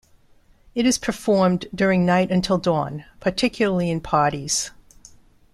It is performed during night until dawn particularly in parties.